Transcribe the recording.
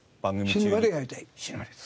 死ぬまですごい。